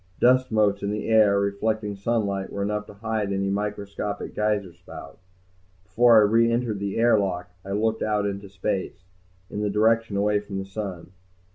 Dust motes in the air, reflecting sunlight, were enough to hide any microscopic geyser spout. Before I re entered the air lock I looked out into space, in the direction away from the sun.